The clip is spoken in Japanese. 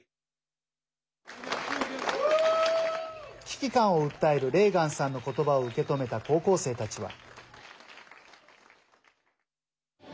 危機感を訴えるレーガンさんの言葉を受け止めた高校生たちは。